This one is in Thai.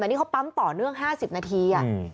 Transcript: แต่นี่เขาปั๊มต่อเนื่อง๕๐นาที